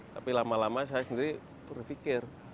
tapi lama lama saya sendiri berpikir